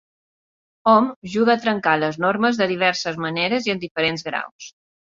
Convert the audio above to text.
Hom juga a trencar les normes de diverses maneres i en diferents graus.